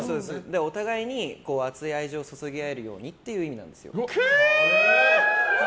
お互いに熱い愛情を注ぎ合えるようにっていう意味なんですよ。